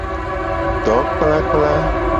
Dokplakpla.